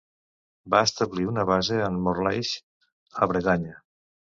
Van establir una base en Morlaix a Bretanya.